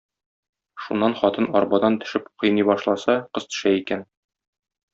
Шуннан хатын арбадан төшеп кыйный башласа, кыз төшә икән.